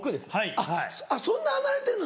あっそんな離れてんの？